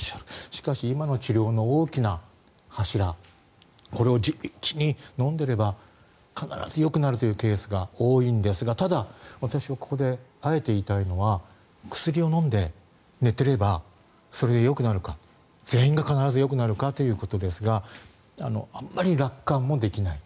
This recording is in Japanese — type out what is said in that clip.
しかし、今の治療の大きな柱これを地道に飲んでいれば必ずよくなるというケースが多いんですがただ、私はここであえて言いたいのは薬を飲んで寝ていればそれでよくなるか全員が必ずよくなるかということですがあまり楽観もできない。